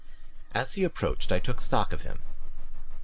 As he approached I took stock of him.